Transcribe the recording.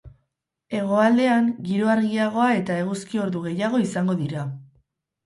Hegoaldean, giro argiagoa eta eguzki ordu gehiago izango dira.